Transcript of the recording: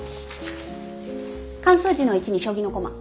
漢数字の一に将棋の駒。